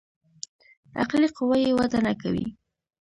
عقلي قوه يې وده نکوي.